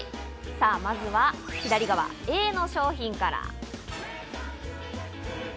さぁ、まずは左側Ａの商品から。